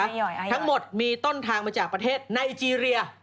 ออยอยออยอยทั้งหมดมีต้นทางมาจากประเทศไนเกรีย